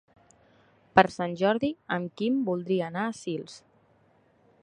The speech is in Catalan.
Per Sant Jordi en Quim voldria anar a Sils.